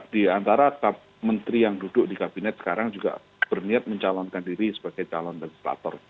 di antara menteri yang duduk di kabinet sekarang juga berniat mencalonkan diri sebagai calon legislator